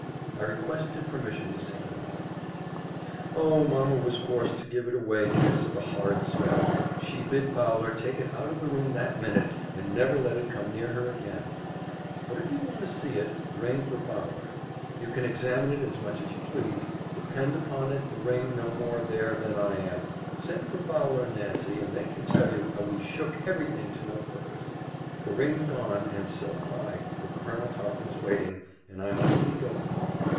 I requested permission to see the muff. "Oh, mamma was forced to give it away because of the horrid smell she bid Fowler take it out of the room that minute, and never let it come near her again; but if you want to see it, ring for Fowler: you can examine it as much as you please; depend upon it the ring's no more there than I am send for Fowler and Nancy, and they can tell you how we shook every thing to no purpose. The ring's gone, and so am I, for Colonel Topham's waiting, and I must lead off."